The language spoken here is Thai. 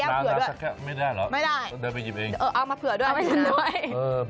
เอามาหยิบแก้มเพื่อด้วยไม่ได้หรอเอามาเผื่อด้วยเดินไปหยิบเอง